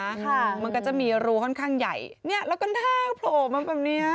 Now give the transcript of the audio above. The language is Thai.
ค่ะมันก็จะมีรูค่อนข้างใหญ่เนี้ยแล้วก็เท้าโผล่มาแบบเนี้ย